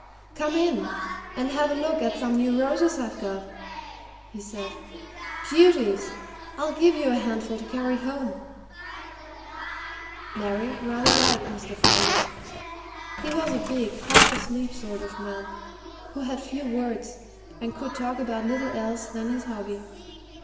"Come in and have a look at some new roses I've got," he said. "Beauties! I'll give you a handful to carry home." Mary rather liked Mr. Folliot. He was a big, half asleep sort of man, who had few words and could talk about little else than his hobby.